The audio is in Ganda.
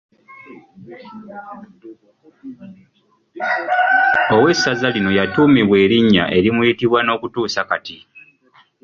Ow’essaza lino yatuumibwa erinnya erimuyitibwa n’okutuusa kati.